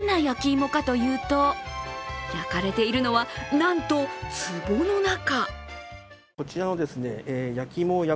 どんな焼き芋かというと、焼かれているのはなんとつぼの中。